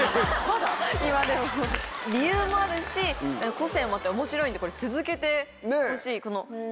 理由もあるし個性もあって面白いんでこれ続けてほしい。ねぇ！